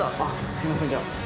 すいませんじゃあ。